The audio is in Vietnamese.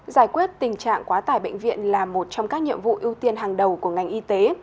giải quyết tình trạng quá tải bệnh viện là một trong các nhiệm vụ ưu tiên hàng đầu của ngành y tế